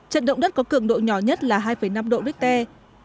trận động đất có cường độ nhỏ nhất là hai năm độ richter